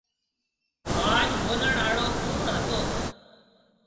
آج ٻولڻ آݪو ڪوُڻ هتو۔